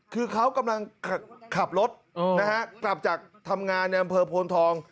คือเขากำลังขับรถนะฮะกลับจากทำงานในอำเภอโพนทอง